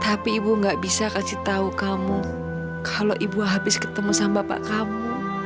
tapi ibu gak bisa kasih tahu kamu kalau ibu habis ketemu sama bapak kamu